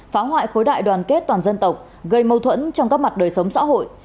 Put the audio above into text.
phá hoại khối đại đoàn kết toàn dân tộc gây mâu thuẫn trong các mặt đời sống xã hội